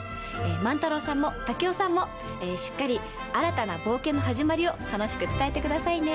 万太郎さんも、竹雄さんもしっかり新たな冒険の始まりを楽しく伝えてくださいね。